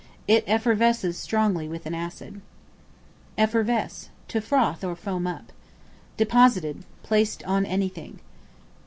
It effervesces strongly with an acid. Effervesce, to froth or foam up. Deposited, placed on anything.